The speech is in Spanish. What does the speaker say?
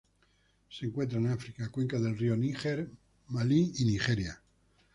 Se encuentran en África: cuenca del río Níger, Malí y Nigeria.